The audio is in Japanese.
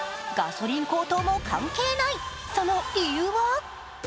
ガソリン高騰も関係ない、その理由は？